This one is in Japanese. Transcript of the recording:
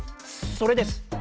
それです。